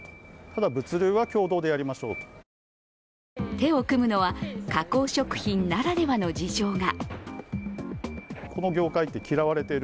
手を組むのは加工食品ならではの事情が。